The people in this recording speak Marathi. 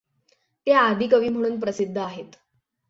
ते आदिकवि म्हणुन प्रसिद्ध आहेत.